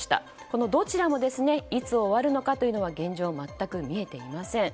このどちらもいつ終わるのかというのは現状、全く見えていません。